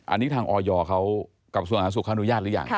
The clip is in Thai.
อันนี้ทางออยเขากับส่วนหาสุขเขาอนุญาตหรือยัง